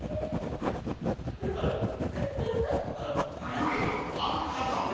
［おやあの方は］